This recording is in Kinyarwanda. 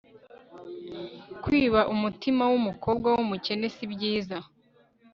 kwiba umutima wumukobwa wumukene sibyiza